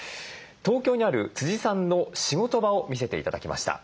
東京にあるさんの仕事場を見せて頂きました。